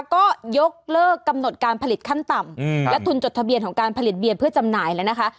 ก็ยกเลิกกำหนดการผลิตขั้นต่ำและทุนจดทะเบียนของการผลิตเบียนเพื่อจำหน่ายแล้วนะคะ